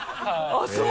あっそう。